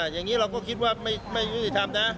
อย่างนี้เราก็คิดว่าไม่ยุติธรรมนะ